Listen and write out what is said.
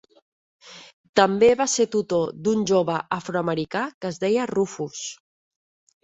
També va ser tutor d'un jove afroamericà que es deia Rufus.